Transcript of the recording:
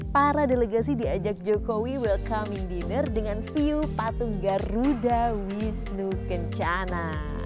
para delegasi diajak jokowi welcoming dinner dengan view patung garuda wisnu kencana